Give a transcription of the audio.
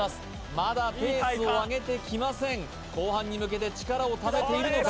まだペースを上げてきません後半に向けて力をためているのか？